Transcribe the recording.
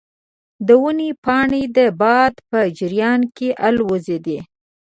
د ونې پاڼې د باد په جریان کې الوزیدې.